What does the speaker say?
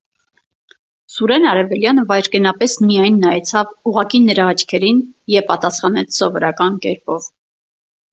Սուրեն Արևելյանը վայրկենապես միայն նայեցավ ուղղակի նրա աչքերին և պատասխանեց սովորական կերպով.